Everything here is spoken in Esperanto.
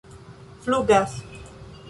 flugas